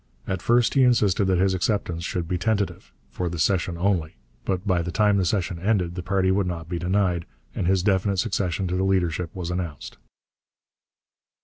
At first he insisted that his acceptance should be tentative, for the session only; but by the time the session ended the party would not be denied, and his definite succession to the leadership was announced.